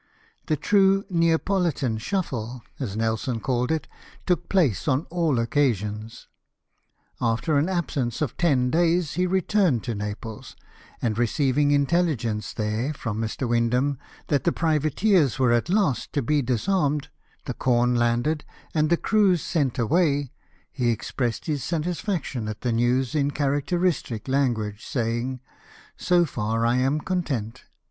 The true Neapolitan shufHe, as Nelson called it, took place on all occasions. After an absence of ten days he returned to Naples; and receiving intelligence there, from Mr. Windham, that the privateers were at last to be disarmed, the corn landed, and the crews sent away, he expressed his satisfaction at the news in characteristic language, saying, " So far I am content.